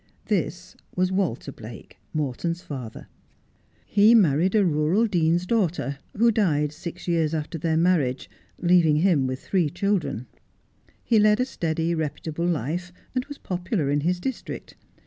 This was Walter Blake, Morton's father. He married a rural c 18 Just as I Am. dean's daughter, who died six years after their marriage, leaving him with three children. He led a steady, reputable life, and was popular in his district.